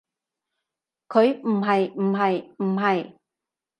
佢？唔係唔係唔係